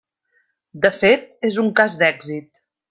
De fet és un cas d'èxit.